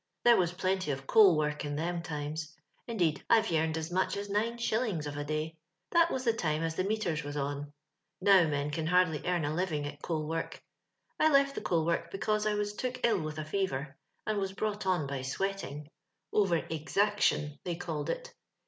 There was plenty of cool work in them times ; indeed, I've yearned as much as nine shillings of a day. That was the time as the meters was on. Now men can hardly earn a hving at coal work. I left the coal work because I was took ill witii a fever, as was brought on by sweating — over exoc/ion they called it.